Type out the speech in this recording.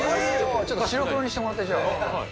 ちょっと白黒にしてもらって。